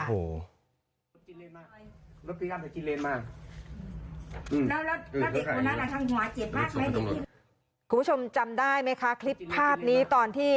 คุณผู้ชมจำได้ไหมคะคลิปภาพนี้ตอนที่